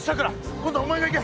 今度はお前が行け。